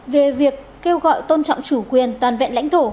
về việc kêu gọi tôn trọng chủ quyền toàn vẹn lãnh thổ